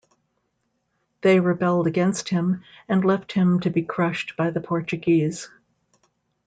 They rebelled against him and left him to be crushed by the Portuguese.